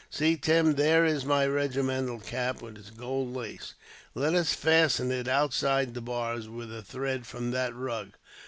"See, Tim, there is my regimental cap, with its gold lace. Let us fasten it outside the bars, with a thread from that rug.